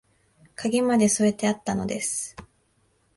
鍵まで添えてあったのです